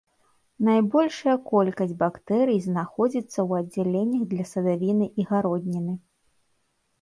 Найбольшая колькасць бактэрый знаходзіцца ў аддзяленнях для садавіны і гародніны.